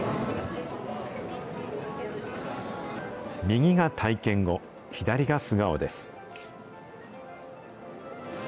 右が体験後、左が素顔です。